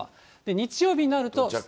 日曜日になると。